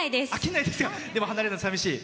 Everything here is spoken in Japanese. でも離れるのさみしい。